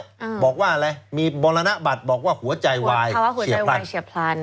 มีมันบอกว่ามีมีบรรณบัตรบอกว่าหัวใจวายเฉียบพลัน